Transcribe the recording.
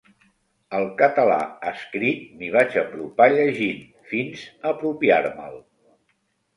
Al català escrit m'hi vaig apropar llegint, fins apropiar-me'l.